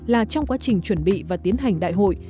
là trong quá trình chuẩn bị và tiến hành đại hội